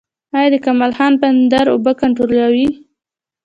آیا د کمال خان بند اوبه کنټرولوي؟